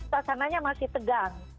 pasangannya masih tegang